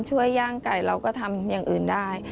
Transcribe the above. ย่างไก่เราก็ทำอย่างอื่นได้